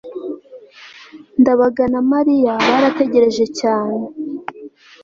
ndabaga na mariya barategereje cyane